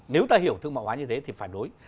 nếu ta hiểu thương mại hóa như thế thì phải đối